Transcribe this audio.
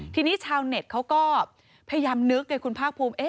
ทีนี้ชาวเน็ตเขาก็พยายามนึกไงคุณภาคภูมิ